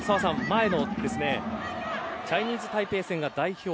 前のチャイニーズタイペイ戦が代表